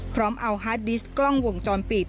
พร้อมเอาฮาร์ดดิสต์กล้องวงจรปิด